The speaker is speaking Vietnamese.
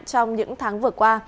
trong những tháng vừa qua